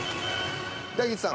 大吉さん。